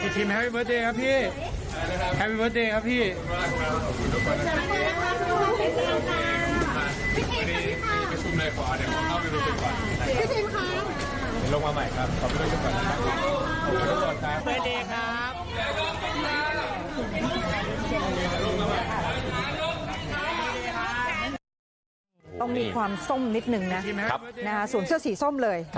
ต้องมีความส้มนิดนึงนะสวมเสื้อสีส้มเลย